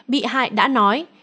bị hại đã nói